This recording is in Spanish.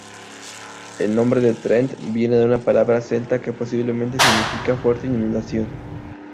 El nombre de "Trent" viene de una palabra celta que posiblemente significa "fuerte inundación".